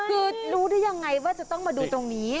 คือรู้ได้ยังไงว่าจะต้องมาดูตรงนี้